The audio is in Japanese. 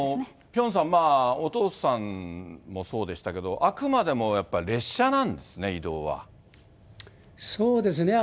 ピョンさん、お父さんもそうでしたけど、あくまでもやっぱりそうですね。